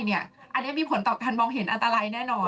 อันนี้มีผลต่อการมองเห็นอันตรายแน่นอน